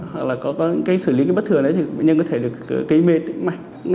hoặc là có những cái xử lý bất thường thì bệnh nhân có thể được kế mê tĩnh mạnh